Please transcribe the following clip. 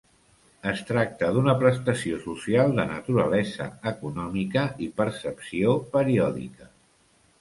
Es tracta d'una prestació social de naturalesa econòmica i percepció periòdica.